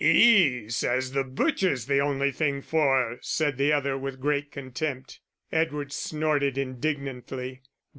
"'E says the butcher's the only thing for 'er," said the other, with great contempt. Edward snorted indignantly.